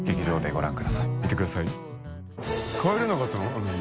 あの日。